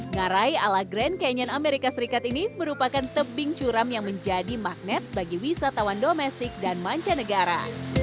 ngarai ala grand canyon amerika serikat ini merupakan tebing curam yang menjadi magnet bagi wisatawan domestik dan mancanegara